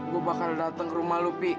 gua bakal dateng ke rumah lu pi